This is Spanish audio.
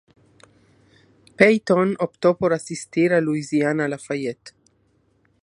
Payton optó por asistir a Louisiana-Lafayette.